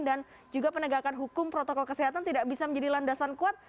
dan juga penegakan hukum protokol kesehatan tidak bisa menjadi landasan kuat